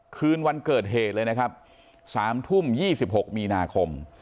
คืนวันเกิดเหตุเลยนะครับสามทุ่มยี่สิบหกมีนาคม